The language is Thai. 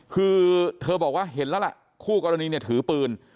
คือเธอบอกว่าเห็นแล้วคู่กรณีถือปืน